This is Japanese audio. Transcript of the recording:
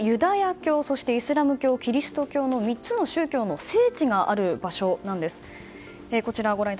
これはユダヤ教そしてイスラム教キリスト教の３つの宗教の聖地がある場所なんです。